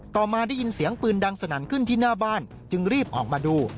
ต่อมาได้ยินเสียงปืนดังสนั่นขึ้นที่หน้าบ้านจึงรีบออกมาดู